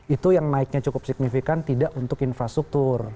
itu yang naiknya cukup signifikan tidak untuk infrastruktur